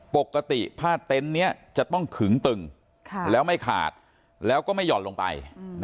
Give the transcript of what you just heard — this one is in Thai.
ปกติผ้าเต็นต์นี้จะต้องขึงตึงแล้วไม่ขาดแล้วก็ไม่หย่อนลงไป